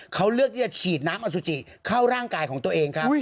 เขาเลือกที่จะฉีดน้ำอสุจิเข้าร่างกายของตัวเองครับ